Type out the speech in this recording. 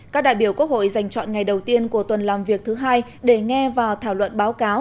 các đại biểu quốc hội dành chọn ngày đầu tiên của tuần làm việc thứ hai để nghe và thảo luận báo cáo